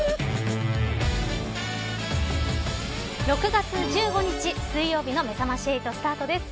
６月１５日水曜日のめざまし８スタートです。